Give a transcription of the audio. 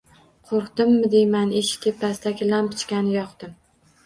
Qo‘rqdimmi deyman, eshik tepasidagi lampochkani yoqdim.